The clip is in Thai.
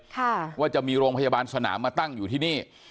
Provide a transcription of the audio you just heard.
ว่าจะมีโรงพยาบาลสนามมาตั้งอยู่ที่นี่